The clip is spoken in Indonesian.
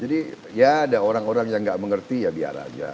jadi ya ada orang orang yang gak mengerti ya biar aja